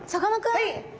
はい。